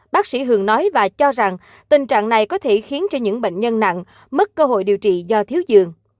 bác sĩ hường nói và cho rằng tình trạng này có thể khiến cho những bệnh nhân nặng mất cơ hội điều trị do thiếu giường